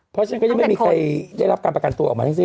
เพราะฉันก็ยังไม่มีใครได้รับการประกันตัวออกมาทั้งสิ้น